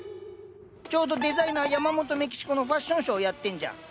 ちょうどデザイナー「ヤマモトメキシコ」のファッションショーやってんじゃん！